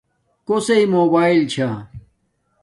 کوسݵ موباݵل چھا